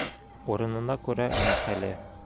Урынына күрә мәҡәле.